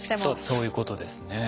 そういうことですね。